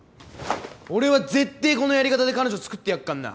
俺はぜってこのやり方で彼女作ってやっかんな！